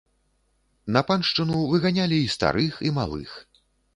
На паншчыну выганялі і старых і малых.